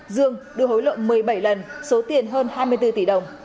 dương đưa hối lộ một mươi bảy lần số tiền hơn hai mươi bốn tỷ đồng